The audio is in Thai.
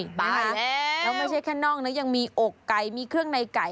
ไปแล้วแล้วไม่ใช่แค่น่องนะยังมีอกไก่มีเครื่องในไก่